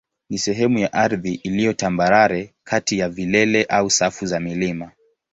ni sehemu ya ardhi iliyo tambarare kati ya vilele au safu za milima.